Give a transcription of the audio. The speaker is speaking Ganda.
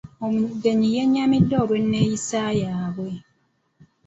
Omugenyi yenyamiddeolw'enneeyisa yaabwe.